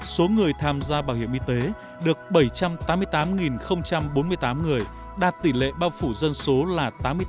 số người tham gia bảo hiểm y tế được bảy trăm tám mươi tám bốn mươi tám người đạt tỷ lệ bao phủ dân số là tám mươi bốn